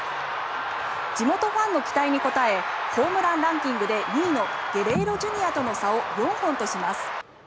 地元ファンの期待に応えホームランランキングで２位のゲレーロＪｒ．との差を４本とします。